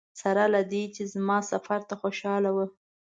سره له دې چې زما سفر ته خوشاله وه.